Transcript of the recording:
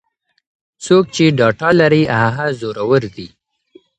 څوک چې ډاټا لري هغه زورور دی.